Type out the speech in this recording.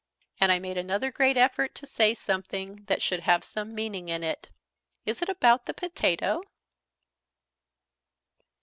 And I made another great effort to say something that should have some meaning in it. "Is it about the potato?"